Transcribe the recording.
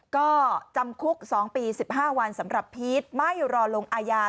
ก็จำคุกสองปีสิบห้าวันสำหรับพีชไม่รอลงอายา